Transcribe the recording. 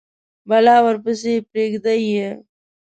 بلا ورپسي پریده یﺉ